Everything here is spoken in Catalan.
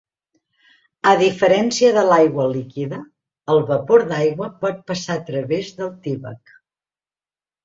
A diferència de l'aigua líquida, el vapor d'aigua pot passar a través del Tyvek.